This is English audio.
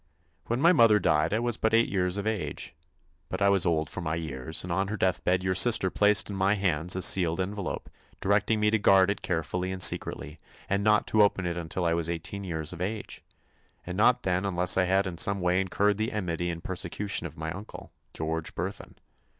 "When my mother died I was but eight years of age. But I was old for my years, and on her deathbed your sister placed in my hands a sealed envelope, directing me to guard it carefully and secretly, and not to open it until I was eighteen years of age—and not then unless I had in some way incurred the enmity and persecution of my uncle, George Burthon.